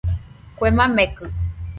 Kue makekɨ